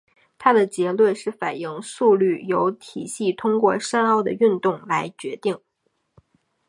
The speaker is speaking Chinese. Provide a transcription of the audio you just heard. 他们的结论是反应速率由体系通过山坳的运动来决定。